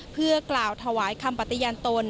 เพื่อกล่าวถวายคำปัตติยันตน